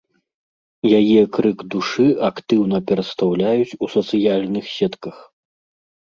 Яе крык душы актыўна перастаўляюць у сацыяльных сетках.